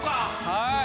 はい。